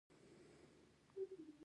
د غڼې د چیچلو لپاره کوم ضماد وکاروم؟